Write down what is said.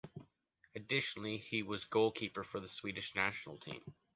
Additionally, he was goalkeeper for the Swedish national team.